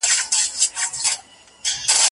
جهاني د خوب نړۍ ده پکښي ورک دی هر وګړی